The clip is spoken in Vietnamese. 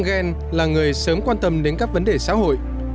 egen là người sớm quan tâm đến các vấn đề xã hội